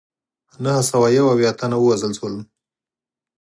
نهه سوه یو اویا تنه ووژل شول.